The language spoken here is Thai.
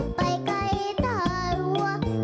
น้ำตาตกโคให้มีโชคเมียรสิเราเคยคบกันเหอะน้ำตาตกโคให้มีโชค